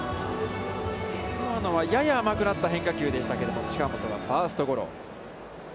今のはやや甘くなった変化球でしたけれども、近本はファーストゴロ。